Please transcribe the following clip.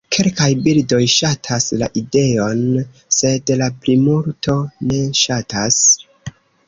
Kelkaj birdoj ŝatas la ideon, sed la plimulto ne ŝatas.